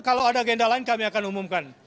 kalau ada agenda lain kami akan umumkan